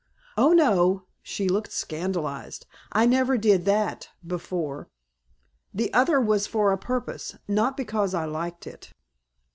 "Oh, no!" She looked scandalized. "I never did that before. The other was for a purpose, not because I liked it."